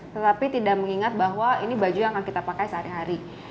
tetapi tidak mengingat bahwa ini baju yang akan kita pakai sehari hari